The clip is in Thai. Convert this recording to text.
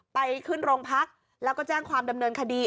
ไปขึ้นโรงพักแล้วก็แจ้งความดำเนินคดี